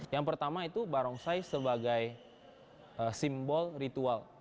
yang pertama itu barongsai sebagai simbol ritual